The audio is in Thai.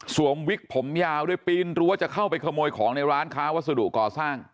วิกผมยาวด้วยปีนรั้วจะเข้าไปขโมยของในร้านค้าวัสดุก่อสร้าง